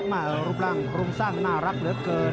มารุบรังร่วมสร้างน่ารักเหลือเกิน